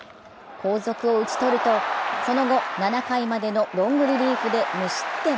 後続を打ち取るとその後７回までのロングリリーフで無失点。